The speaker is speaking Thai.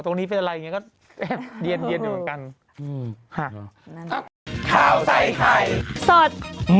อันนี้เป็นอะไรอย่างนี้ก็แอบเดียนเหมือนกัน